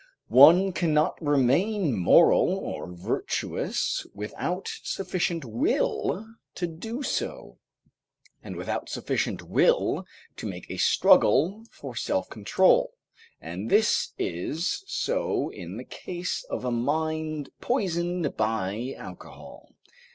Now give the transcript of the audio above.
One cannot remain moral or virtuous without sufficient will to do so, and without sufficient will to make a struggle for self control, and this is so in the case of a mind poisoned by alcohol.